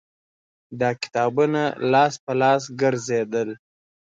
دا کتابونه لاس په لاس ګرځېدل